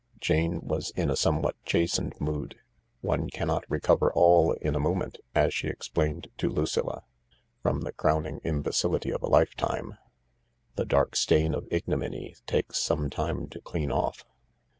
Jane was in a somewhat chastened mood ; one cannot recover all in a moment, as she explained to Lucilla, from the crowning imbecility of a lifetime ; the dark stain of ignominy takes some time to clean off.